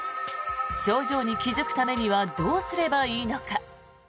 症状に気付くためにはどうすればいいのか。